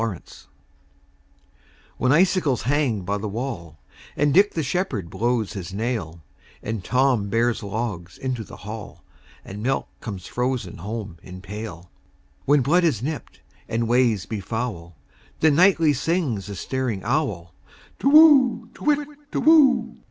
Winter WHEN icicles hang by the wallAnd Dick the shepherd blows his nail, And Tom bears logs into the hall, And milk comes frozen home in pail; When blood is nipt, and ways be foul, Then nightly sings the staring owlTu whoo! To whit, Tu whoo!